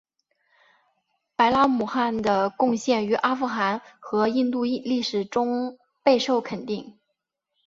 白拉姆汗的贡献于阿富汗和印度历史中备受肯定。